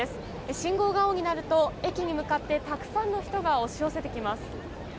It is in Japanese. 信号が青になると駅に向かってたくさんの人が押し寄せてきます。